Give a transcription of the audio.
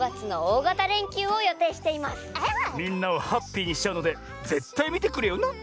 みんなをハッピーにしちゃうのでぜったいみてくれよな！